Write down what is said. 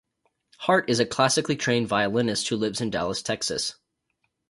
Hart is a classically trained violinist who lives in Dallas, Texas.